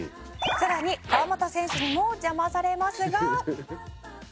「さらに川真田選手にも邪魔されますが」